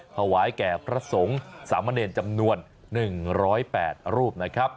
ถวายแก่พระสงฆ์สามเณรจำนวน๑๐๘รูปนะครับ